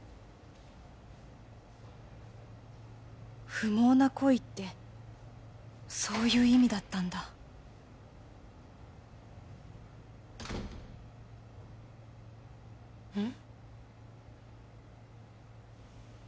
不毛な恋ってそういう意味だったんだうん？